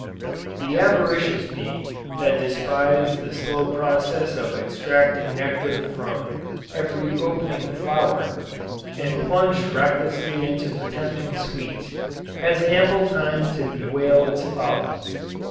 The avaricious bee that despised the slow process of extracting nectar from "every opening flower," and plunged recklessly into the tempting sweets, has ample time to bewail its folly.